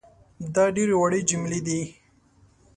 دا ډېرې وړې جملې دي